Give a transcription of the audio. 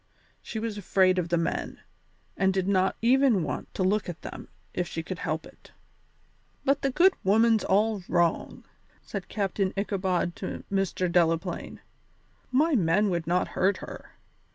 She was afraid of the men, and did not even want to look at them if she could help it. "But the good woman's all wrong," said Captain Ichabod to Mr. Delaplaine; "my men would not hurt her.